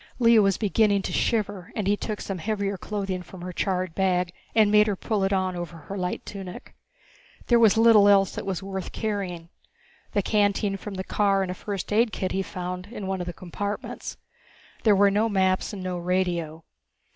Lea was beginning to shiver, and he took some heavier clothing from her charred bag and made her pull it on over her light tunic. There was little else that was worth carrying the canteen from the car and a first aid kit he found in one of the compartments. There were no maps and no radio.